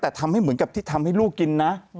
แต่ทำให้เหมือนกับที่ทำให้ลูกกินนะ